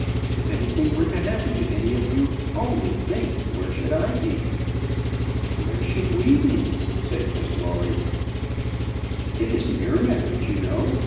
If any thing were to happen to any of you, only think, where should I be?" "Where should we be?" said Miss Lawrie. "It isn't your marriage, you know.